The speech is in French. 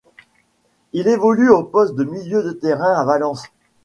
Il évolue au poste de milieu de terrain à Valence.